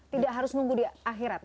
tidak harus nunggu di akhirat